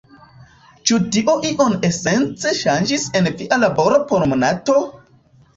Ĉu tio ion esence ŝanĝis en via laboro por Monato?